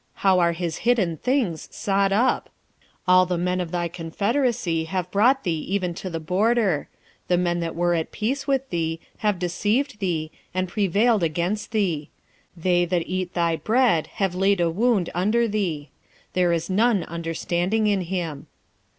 how are his hidden things sought up! 1:7 All the men of thy confederacy have brought thee even to the border: the men that were at peace with thee have deceived thee, and prevailed against thee; that they eat thy bread have laid a wound under thee: there is none understanding in him.